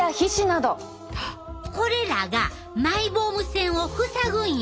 これらがマイボーム腺を塞ぐんや！